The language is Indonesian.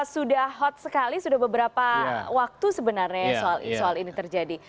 sudah hot sekali sudah beberapa waktu sebenarnya soal ini terjadi